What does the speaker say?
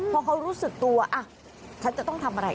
พอเขารู้สึกตัวฉันจะต้องทำอะไร